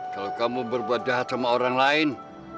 kalau kamu berboha boha sama orang lain